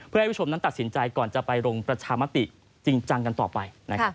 เพื่อให้ผู้ชมนั้นตัดสินใจก่อนจะไปลงประชามติจริงจังกันต่อไป